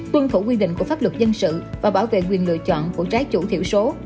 tuân thủ quy định của pháp luật dân sự và bảo vệ quyền lựa chọn của trái chủ số